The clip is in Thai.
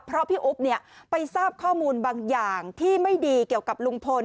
เพราะพี่อุ๊บไปทราบข้อมูลบางอย่างที่ไม่ดีเกี่ยวกับลุงพล